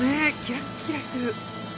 キラッキラしてる！